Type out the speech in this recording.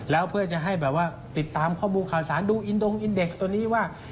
แล้วเพื่อจะให้แบบว่าติดตามข้อมูลข่าวสารดูอินดงอินเด็กซ์ตัวนี้ว่า